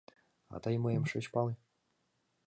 — А тый мыйым шыч пале?